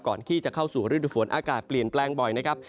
ก่อนที่จะเข้าสู่ฤดูฝนอากาศเปลี่ยนแปลงบ่อยนะครับ